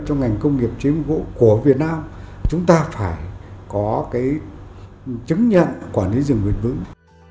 trong ngành công nghiệp chế biến gỗ của việt nam chúng ta phải có cái chứng nhận quản lý rừng bền vững